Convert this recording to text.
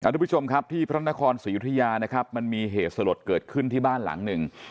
ทุกผู้ชมครับที่พระนครศรียุธยานะครับมันมีเหตุสลดเกิดขึ้นที่บ้านหลังหนึ่ง